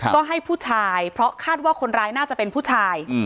ก็ให้ผู้ชายเพราะคาดว่าคนร้ายน่าจะเป็นผู้ชาย